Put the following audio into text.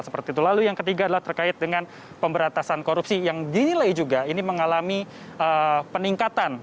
seperti itu lalu yang ketiga adalah terkait dengan pemberantasan korupsi yang dinilai juga ini mengalami peningkatan